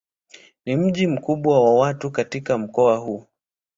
Ni mji mkubwa wa tatu katika mkoa huu.